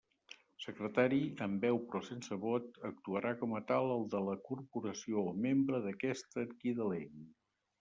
Secretari, amb veu però sense vot, actuarà com a tal el de la Corporació o membre d'aquesta en qui delegui.